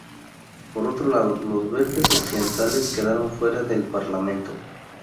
Por otro lado, Los Verdes occidentales quedaron fuera del parlamento.